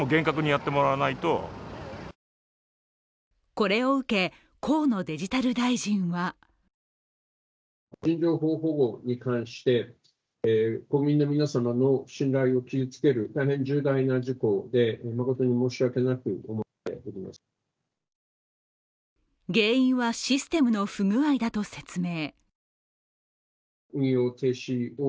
これを受け、河野デジタル大臣は原因はシステムの不具合だと説明。